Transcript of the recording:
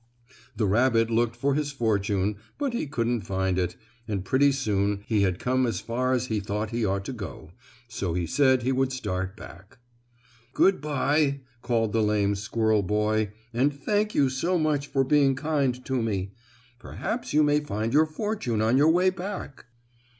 The rabbit looked for his fortune, but he couldn't find it, and pretty soon he had come as far as he thought he ought to go, so he said he would start back. "Good by," called the lame squirrel boy, "and thank you so much for being kind to me. Perhaps you may find your fortune on your way back."